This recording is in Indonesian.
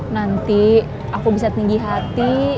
nanti aku bisa tinggi hati